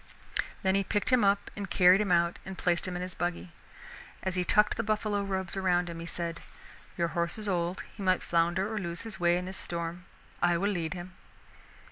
Then he picked him up and carried him out and placed him in his buggy. As he tucked the buffalo robes around him he said: "Your horse is old, he might flounder or lose his way in this storm. I will lead him."